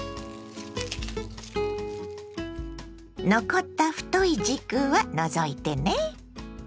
残った太い軸は除いてね。